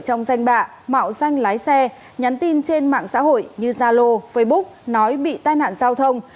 trong danh bạ mạo danh lái xe nhắn tin trên mạng xã hội như zalo facebook nói bị tai nạn giao thông